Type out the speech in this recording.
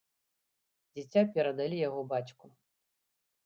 Дзіця перадалі яго бацьку.